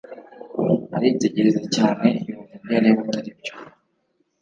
aritegereza cyane yumva ibyareba ataribyo